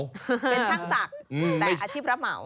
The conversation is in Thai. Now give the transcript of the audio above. เป็นช่างศักดิ์แต่อาชีพรับเหมา